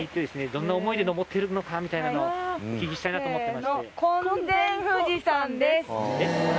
どんな思いで登ってるのかみたいなのをお聞きしたいなと思ってまして。